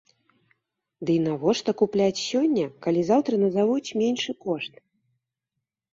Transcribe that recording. Ды і навошта купляць сёння, калі заўтра назавуць меншы кошт?